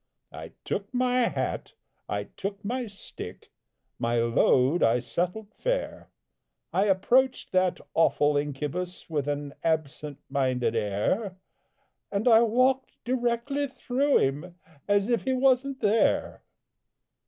I took my hat, I took my stick, My load I settled fair, I approached that awful incubus, With an absent minded air And I walked directly through him, As if he wasn't there!